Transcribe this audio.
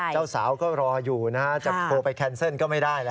เจ้าสาวก็รออยู่นะฮะจะโทรไปแคนเซิลก็ไม่ได้แล้ว